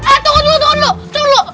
eh tunggu dulu